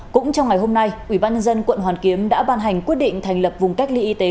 cũng trong ngày hôm nay ubnd quận hoàn kiếm đã ban hành quyết định thành lập vùng cách ly y tế